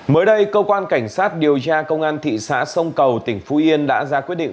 mới đây cơ quan cảnh sát điều tra công an thị xã sông cầu tỉnh phú yên đã ra quyết định